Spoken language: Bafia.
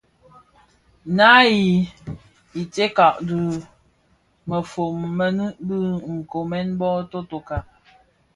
Naa yi stëňkas dhi mëfon mënin bë nkoomèn bō totoka.